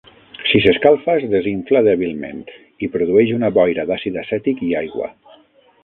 Si s'escalfa es desinfla dèbilment, i produeix una boira d'àcid acètic i aigua.